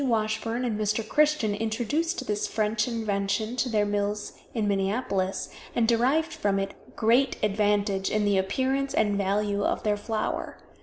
Washburn and Mr. Christian introduced this French invention into their mills in Minneapolis, and derived from it great advantage in the appearance and value of their flour.